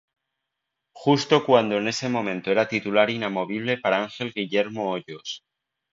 Justo cuando en ese momento era titular inamovible para Ángel Guillermo Hoyos.